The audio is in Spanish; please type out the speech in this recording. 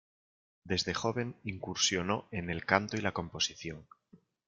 Desde joven incursionó en el canto y la composición.